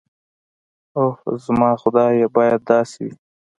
اوح زما خدايه بايد داسې وي.